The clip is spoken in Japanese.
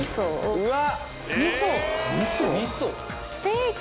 うわっ！